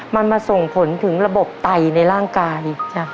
มันมาส่งผลถึงระบบไตในร่างกาย